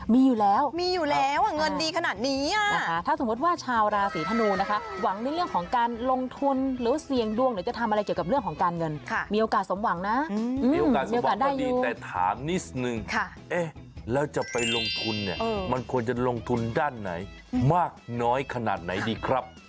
มันควรจะลงทุนด้านไหนมากน้อยขนาดไหนดีครับ